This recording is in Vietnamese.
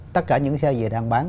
tất cả những xe gì đang bán